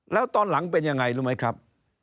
แล้วตอนหลังเป็นยังไงรู้ไหมครับ